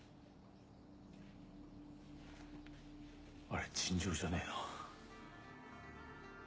ありゃ尋常じゃねえな。